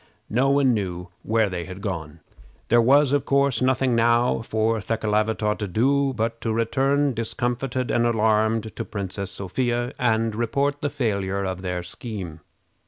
No one knew where they had gone. There was, of course, nothing now for Thekelavitaw to do but to return, discomfited and alarmed, to the Princess Sophia, and report the failure of their scheme.